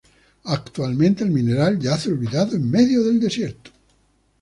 Actualmente el mineral yace olvidado en medio del desierto.